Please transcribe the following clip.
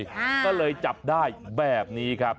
ก็เลยจับได้แบบนี้ครับ